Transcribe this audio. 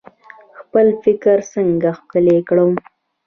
خپل فکر څنګه ښکلی کړو؟